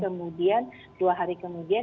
kemudian dua hari kemudian